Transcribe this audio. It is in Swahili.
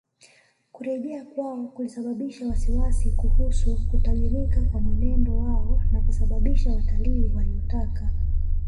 Kurejea kwao kulisababisha wasiwasi kuhusu kutabirika kwa mwenendo wao na kusababisha watalii waliotaka